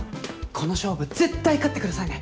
この勝負絶対勝ってくださいね。